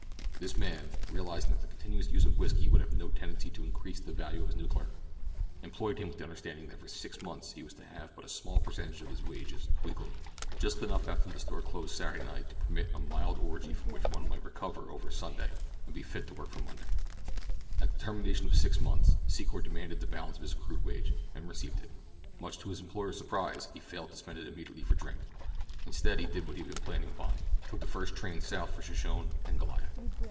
This man, realizing that the continuous use of whisky would have no tendency to increase the value of his new clerk, employed him with the understanding that for six months he was to have but a small percentage of his wages weekly—just enough after the store closed Saturday night to permit of a mild orgy from which one might recover over Sunday and be fit for work on Monday. At the termination of the six months, Secor demanded the balance of his accrued wage, and received it. Much to his employer's surprise, he failed to spend it immediately for drink. Instead, he did what he had been planning upon—took the first train south for Shoshone and Goliath.